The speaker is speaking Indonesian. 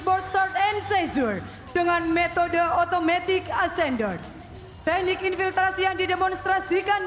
board start and seizure dengan metode otomatik ascender teknik infiltrasi yang didemonstrasikan